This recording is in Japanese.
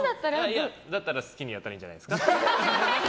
だったら好きにやったらいいんじゃないですか。